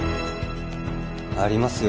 ありますよ